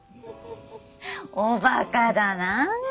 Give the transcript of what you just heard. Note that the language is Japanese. おバカだなぁ。